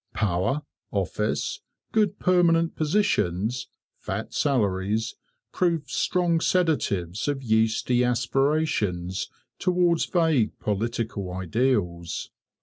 Power, office, good permanent positions, fat salaries, proved strong sedatives of yeasty aspirations towards vague political ideals.